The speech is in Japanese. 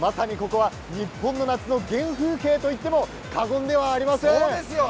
まさにここは、日本の夏の原風景といっても過言ではありません。